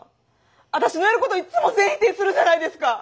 私のやることいっつも全否定するじゃないですか。